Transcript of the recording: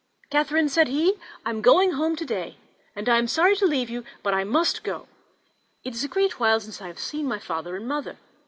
"Catherine," said he, "I am going home to day; I am sorry to leave you, but I must go: it is a great while since I have seen my father and mother.